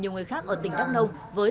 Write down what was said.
thì người thân đã cho em vay tiền